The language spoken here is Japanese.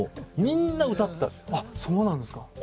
みんな歌ってたんですよ。